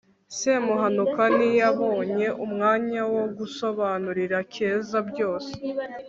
semuhanuka ntiyabonye umwanya wo gusobanurira keza byose